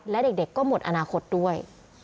และเด็กก็หมดอนาคตด้วย